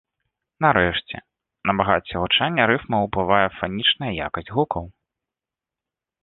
Нарэшце, на багацце гучання рыфмаў уплывае фанічная якасць гукаў.